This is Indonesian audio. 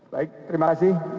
baik terima kasih